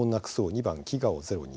２番が、飢餓をゼロに。